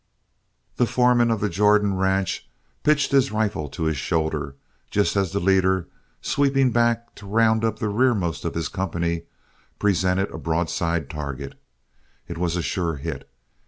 The foreman of the Jordan ranch pitched his rifle to his shoulder just as the leader, sweeping back to round up the rearmost of his company, presented a broadside target. It was a sure hit.